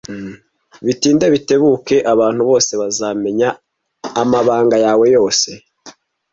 Bitinde bitebuke, abantu bose bazamenya amabanga yawe yose.